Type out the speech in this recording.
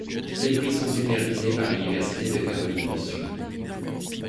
Les prix sont supervisés par l'Université de Californie du Sud.